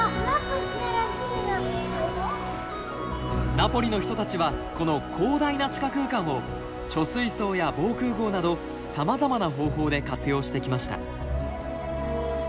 ナポリの人たちはこの広大な地下空間を貯水槽や防空ごうなどさまざまな方法で活用してきました。